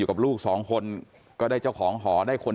ว่าตัวเองได้พี่พ่อของหนูนะค่ะ